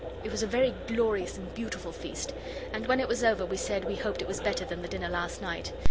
It was a very glorious and beautiful feast, and when it was over we said we hoped it was better than the dinner last night.